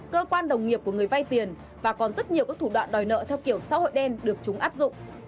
cơ quan đồng nghiệp của người vay tiền và còn rất nhiều các thủ đoạn đòi nợ theo kiểu xã hội đen được chúng áp dụng